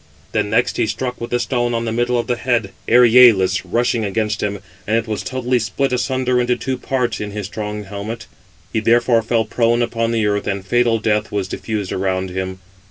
Then next he struck with a stone on the middle of the head, Eryalus, rushing against him, and it was totally split asunder into two parts in his strong helmet. He therefore fell prone upon the earth, and fatal death was diffused around him.